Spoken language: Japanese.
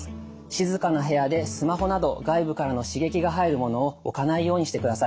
静かな部屋でスマホなど外部からの刺激が入るものを置かないようにしてください。